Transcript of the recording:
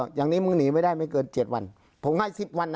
อย่างนี้มึงหนีไปได้ไม่เกิน๗วัน